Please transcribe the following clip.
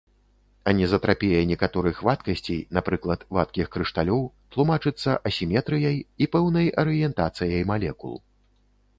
Анізатрапія некаторых вадкасцей, напрыклад, вадкіх крышталёў, тлумачыцца асіметрыяй і пэўнай арыентацыяй малекул.